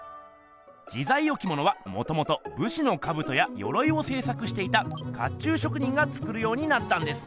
自在置物はもともとぶしのカブトやヨロイをせい作していた甲冑職人が作るようになったんです！